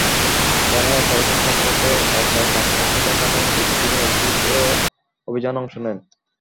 থানার অপারেশন কর্মকর্তা এসআই নাজমুল হুদা খানের নির্দেশে তিনি অভিযানে অংশ নেন।